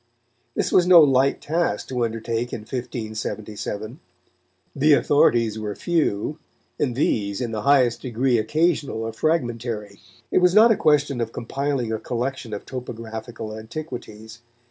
This was no light task to undertake in 1577. The authorities were few, and these in the highest degree occasional or fragmentary. It was not a question of compiling a collection of topographical antiquities.